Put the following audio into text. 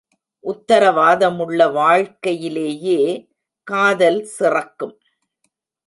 உத்தரவாதமுள்ள வாழ்க்கையிலேயே காதல் சிறக்கும்.